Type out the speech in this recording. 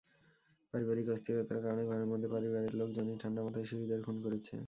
পারিবারিক অস্থিরতার কারণে ঘরের মধ্যে পরিবারের লোকজনই ঠান্ডা মাথায় শিশুদের খুন করছে।